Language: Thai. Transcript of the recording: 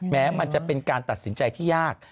แม้มันจะเป็นการตัดสินใจที่ยาก